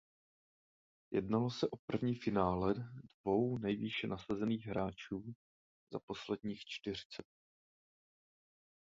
Jednalo se o první finále dvou nejvýše nasazených hráčů za posledních dvacet čtyři let.